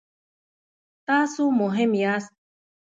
تاسو مهم یاست